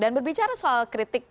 dan berbicara soal kritik